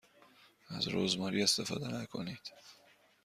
از رزماری استفاده نکنید.